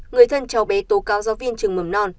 người thân cháu bé tố cao do viên trường mầm non